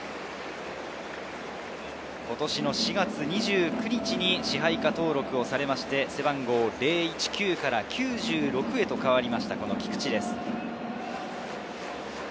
今年の４月２９日に支配下登録されて、背番号０１９から９６に変わりました、菊地です。